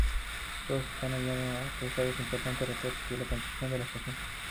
Todos estos hallazgos han causado importantes retrasos en la construcción de la estación.